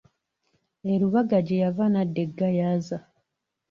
E Lubaga, gye yava n'adda e Gayaza.